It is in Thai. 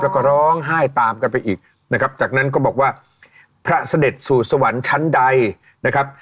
แล้วก็ร้องไห้ตามกันไปอีกนะครับจากนั้นก็บอกว่าพระเสด็จสู่สวรรค์ชั้นใดนะครับ